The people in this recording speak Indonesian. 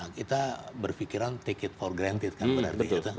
kita berpikiran take it for granted kan berarti